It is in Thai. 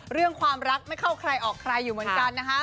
เรื่องความรักไม่เข้าใครออกใครอยู่เหมือนกันนะคะ